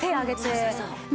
そうそうそう。